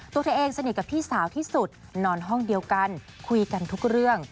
ตัวเองสนิทกับพี่สาวที่สุดนอนห้องเดียวกันคุยกันทุกเรื่อง